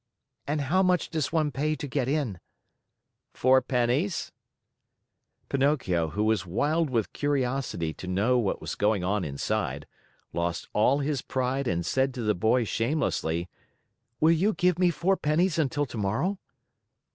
"And how much does one pay to get in?" "Four pennies." Pinocchio, who was wild with curiosity to know what was going on inside, lost all his pride and said to the boy shamelessly: "Will you give me four pennies until tomorrow?"